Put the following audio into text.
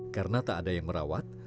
karena tak ada yang merawat